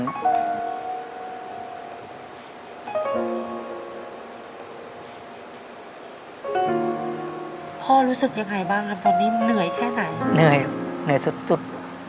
พ่อรู้สึกยังไงบ้างครับตอนนี้เหนื่อยแค่ไหนเหนื่อยเหนื่อยสุดสุด